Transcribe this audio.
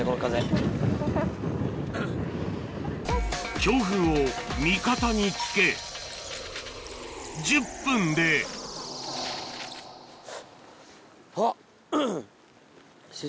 強風を味方につけ１０分で先生